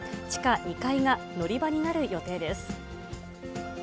地下２階が乗り場になる予定です。